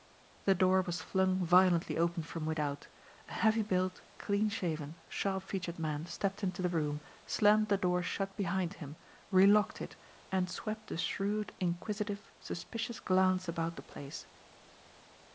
The door was flung violently open from without, a heavy built, clean shaven, sharp featured man stepped into the room, slammed the door shut behind him, re locked it, and swept a shrewd, inquisitive, suspicious glance about the place.